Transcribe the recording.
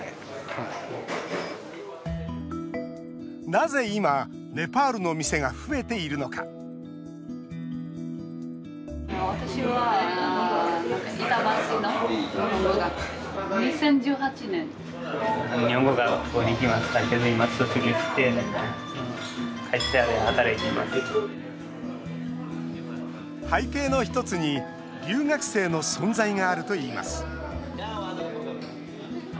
なぜ今、ネパールの店が増えているのか背景の一つに留学生の存在があるといいます。